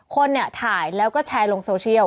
คนเนี่ยถ่ายแล้วก็แชร์ลงโซเชียล